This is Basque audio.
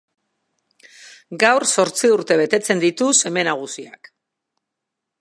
Gaur zortzi urte betetzen ditu seme nagusiak.